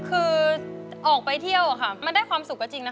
คือออกไปเที่ยวค่ะมันได้ความสุขก็จริงนะคะ